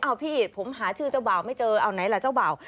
เอาพี่ผมหาชื่อเจ้าบ่าวไม่เจอเอาไหนล่ะเจ้าบ่าว